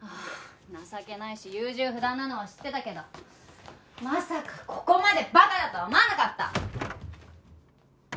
情けないし優柔不断なのは知ってたけどまさかここまでバカだとは思わなかった！